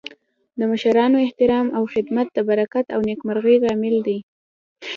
د مشرانو احترام او خدمت د برکت او نیکمرغۍ لامل دی.